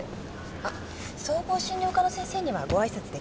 あっ総合診療科の先生にはご挨拶出来ましたから。